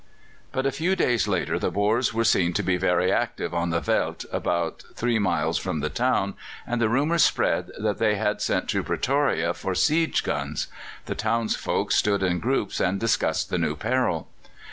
But a few days later the Boers were seen to be very active on the veldt about three miles from the town, and the rumour spread that they had sent to Pretoria for siege guns. The townsfolk stood in groups and discussed the new peril.